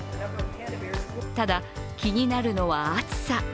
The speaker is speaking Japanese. ただ、気になるのは暑さ。